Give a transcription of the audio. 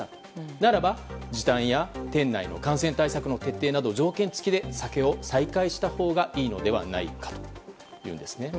ならば、時短や店内の感染対策の徹底など条件付きで酒を再開したほうがいいのではないかというんですね。